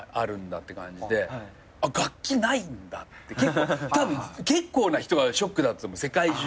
楽器ないんだってたぶん結構な人がショックだったと思う世界中の。